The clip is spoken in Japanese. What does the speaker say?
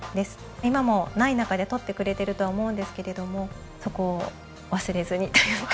今もない中で取ってくれてるとは思うんですけれどもそこを忘れずにというか。